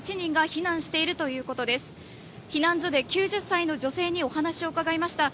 避難所で９０歳の女性にお話を伺いました。